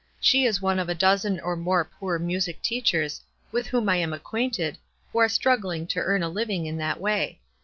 She is one of a dozen or more poor music teachers, with whom 1 am acquainted, who are struggling to earn a living in that way.